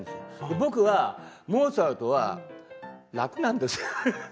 僕は、「モーツァルト！」は楽なんですよね。